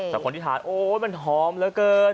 แต่คนที่ทานโอ๊ยมันหอมเหลือเกิน